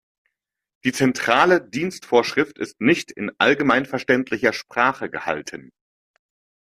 Die Zentrale Dienstvorschrift ist nicht in allgemeinverständlicher Sprache gehalten.